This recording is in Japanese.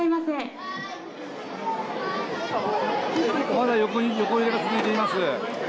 まだ横揺れが続いています。